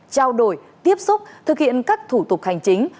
trao đổi tiếp xúc thực hiện các thủ tục hành chính